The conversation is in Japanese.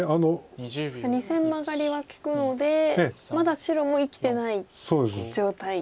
２線マガリは利くのでまだ白も生きてない状態。